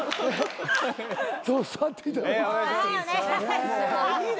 座っていただいて。